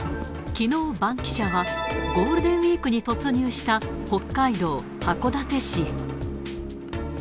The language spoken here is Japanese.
きのうバンキシャは、ゴールデンウィークに突入した北海道函館市へ。